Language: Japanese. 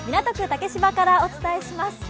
竹芝からお伝えします。